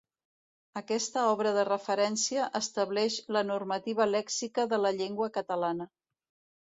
Aquesta obra de referència estableix la normativa lèxica de la llengua catalana.